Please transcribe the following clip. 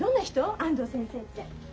安藤先生って。